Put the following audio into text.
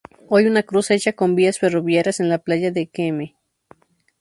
Hoy una cruz hecha con vías ferroviarias, en la playa de km.